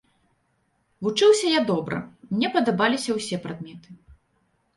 Вучыўся я добра, мне падабаліся ўсе прадметы.